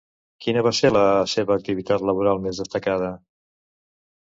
Quina va ser la seva activitat laboral més destacada?